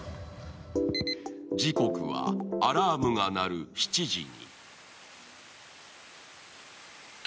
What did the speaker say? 時刻がアラームが鳴る７時に。